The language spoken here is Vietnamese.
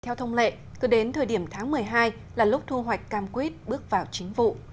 theo thông lệ cứ đến thời điểm tháng một mươi hai là lúc thu hoạch cam quýt bước vào chính vụ